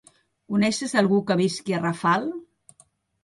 Coneixes algú que visqui a Rafal?